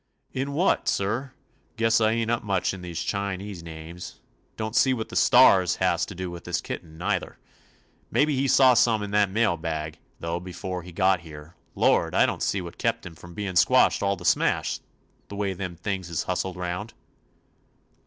*ln what, sir. Guess I ain't up much in them Chinee names. Don't see what the stars had to do with this kitten, neither. Maybe he saw some in that mail bag, though, before he 44 TOMMY POSTOFFICE got here. Lord I I don't see what kept him from bein' squashed all to smash, the way them things is hustled round."